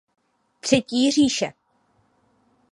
Třetí říše.